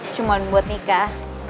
cuma untuk nikah